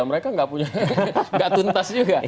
mereka enggak punya enggak tuntas juga